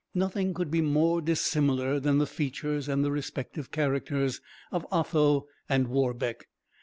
Nothing could be more dissimilar than the features and the respective characters of Otho and Warbeck.